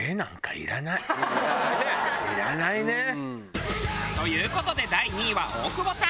いらないね。という事で第２位は大久保さん。